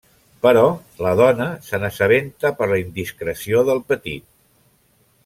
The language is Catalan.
Però la dona se n'assabenta per la indiscreció del petit.